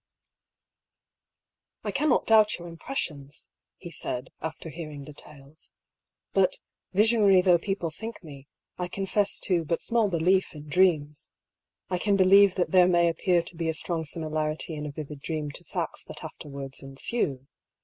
''I cannot doubt your impressions," he said, after hearing details. '^ But, visionary though people think me, I confess to but small belief in dreams. I can be lieve that there may appear to be a strong similarity in a vivid dream to facts that afterwards ensue.